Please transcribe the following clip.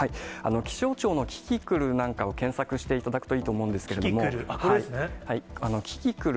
気象庁のキキクルなんかを検索していただくといいと思うんでキキクル？